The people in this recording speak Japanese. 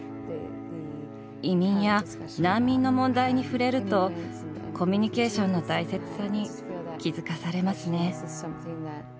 移民や難民の問題に触れるとコミュニケーションの大切さに気付かされますね。